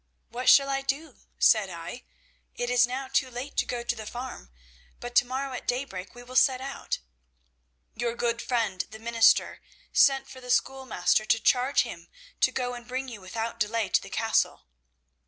'What shall I do,' said I; 'it is now too late to go to the farm, but to morrow at daybreak we will set out.' Your good friend the minister sent for the schoolmaster to charge him to go and bring you without delay to the castle.